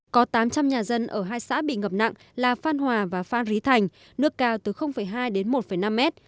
có tám trăm linh nhà dân ở hai xã bị ngập nặng là phan hòa và phan rí thành nước cao từ hai đến một năm mét